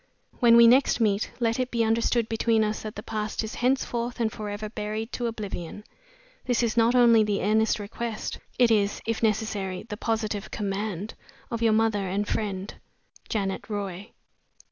When we next meet, let it be understood between us that the past is henceforth and forever buried to oblivion. This is not only the earnest request it is, if necessary, the positive command, of your mother and friend, "JANET ROY.